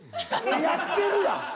やってるやん。